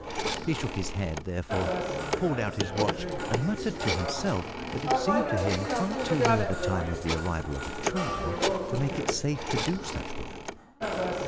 He shook his head, therefore, pulled out his watch, and muttered to himself that it seemed to him far too near the time of the arrival of a train to make it safe to do such work.